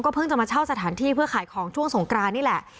เพิ่งจะมาเช่าสถานที่เพื่อขายของช่วงสงกรานนี่แหละ